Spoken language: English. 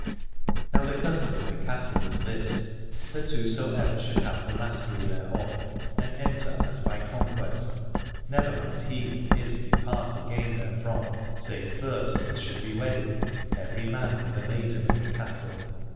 Now the custom of the castle was this, that whosoever should have the mastery thereof and enter as by conquest, never might he and his depart again therefrom save first they should be wedded, every man with a maiden of the castle.